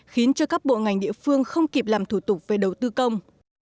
khiến cho các bộ ngành địa phương không kịp làm thủ tục về đầu tư công